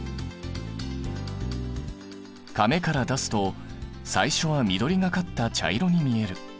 かめから出すと最初は緑がかった茶色に見える。